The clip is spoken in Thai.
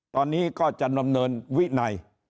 ตอนนี้ก็จะดำเนินวินัย